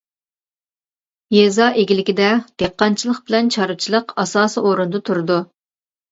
يېزا ئىگىلىكىدە دېھقانچىلىق بىلەن چارۋىچىلىق ئاساسىي ئورۇندا تۇرىدۇ.